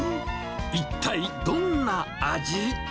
一体、どんな味？